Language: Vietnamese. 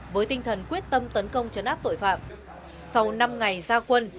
với tinh thần quyết tâm tấn công chấn áp tội phạm sau năm ngày gia quân